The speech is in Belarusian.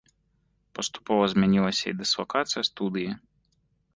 Паступова змянілася і дыслакацыя студыі.